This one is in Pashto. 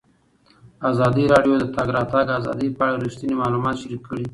ازادي راډیو د د تګ راتګ ازادي په اړه رښتیني معلومات شریک کړي.